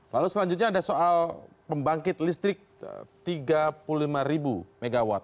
lalu selanjutnya ada soal pembangkit listrik tiga puluh lima mw